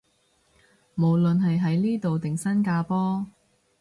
無論係喺呢度定新加坡